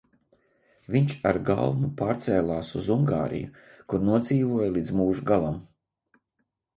Viņš ar galmu pārcēlās uz Ungāriju, kur nodzīvoja līdz mūža galam.